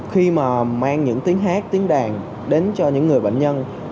khi mà mang những tiếng hát tiếng đàn đến cho những người bệnh nhân